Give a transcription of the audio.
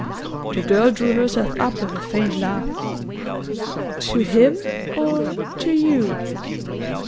The girl drew herself up with a faint laugh. "To him or to YOU?"